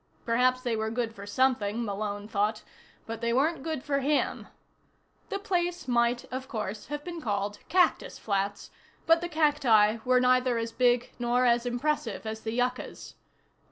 Perhaps they were good for something, Malone thought, but they weren't good for him. The place might, of course, have been called Cactus Flats, but the cacti were neither as big nor as impressive as the yuccas.